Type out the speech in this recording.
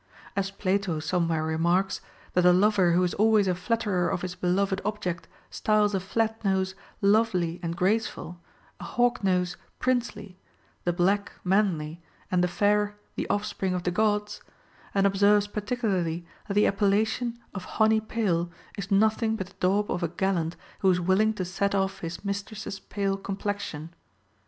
As Plato somewhere remarks, that a lover who is always a flatterer of his beloved ob ject styles a flat nose lovely and graceful, an hawk nose princely, the black manly, and the fair the offspring of the Gods ; and observes particularly that the appellation of honey pale is nothing but the daub of a gallant who is willing to set off his mistress's pale complexion.